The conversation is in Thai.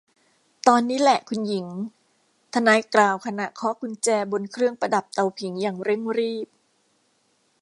ตอนนี้แหละคุณหญิง ทนายกล่าวขณะเคาะกุญแจบนเครื่องประดับเตาผิงอย่างเร่งรีบ